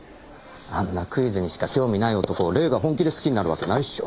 あんなクイズにしか興味ない男玲が本気で好きになるわけないっしょ。